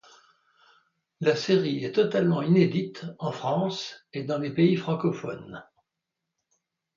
La série est totalement inédite en France et dans les pays francophones.